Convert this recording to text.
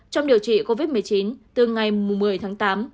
trong điều trị covid một mươi chín từ ngày một mươi tháng tám